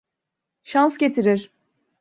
Şans getirir.